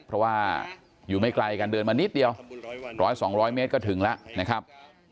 เพราะว่าอยู่ไม่ไกลกันเดินมานิดเดียว๑๐๐๒๐๐เมตรก็ถึงแล้วนะครับ